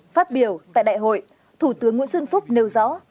phát biểu tại đại hội thủ tướng nguyễn xuân phúc nêu rõ